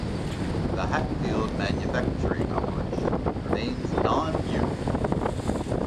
The Hatfield manufacturing operation remains non-union.